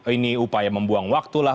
ini upaya membuang waktulah